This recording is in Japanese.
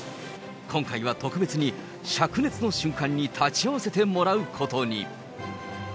今回は特別に、灼熱の瞬間に立ち会わせてもらうことに。